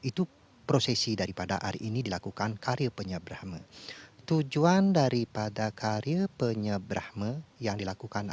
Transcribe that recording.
itu prosesi daripada hari ini dilakukan karya penyebrahma